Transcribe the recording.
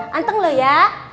hanteng lu ya